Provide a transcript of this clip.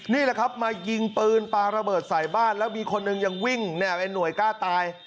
นี่แหละครับมายิงปืนปลาระเบิดใส่บ้านแล้วมีคนหนึ่งยังวิ่งเนี่ยเป็นหน่วยกล้าตาย